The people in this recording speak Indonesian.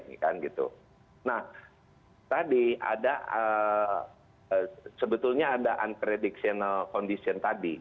nah tadi ada sebetulnya ada unpredictional condition tadi